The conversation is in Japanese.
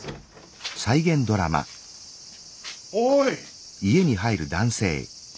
おい。